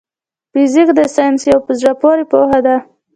فزيک د ساينس يو په زړه پوري پوهه ده.